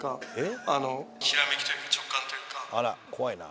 あら怖いな。